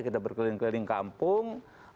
kita berkeliling keliling kampung